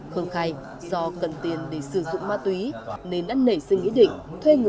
hưng khai do cần tiền để sử dụng ma túy nên năn nể suy nghĩ định